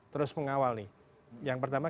terus mengawal nih yang pertama